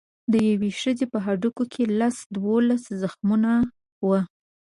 د یوې ښځې په هډوکو کې لس دولس زخمونه وو.